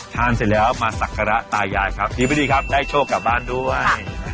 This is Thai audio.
ทานเสร็จแล้วมาศักระตาใหญ่ครับดีปะดีครับได้โชคกลับบ้านด้วย